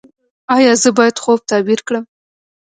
ایا زه باید خوب تعبیر کړم؟